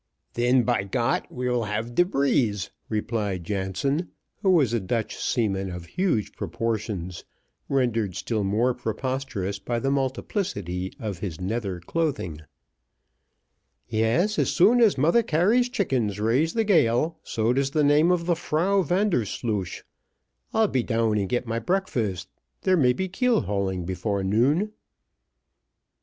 "Then, by Got, we will have de breeze," replied Jansen, who was a Dutch seaman of huge proportions, rendered still more preposterous by the multiplicity of his nether clothing. "Yes, as sure as Mother Carey's chickens raise the gale, so does the name of the Frau Vandersloosh. I'll be down and get my breakfast, there may be keel hauling before noon."